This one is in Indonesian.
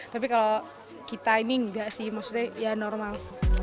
tapi kalau kita ini enggak sih maksudnya ya normal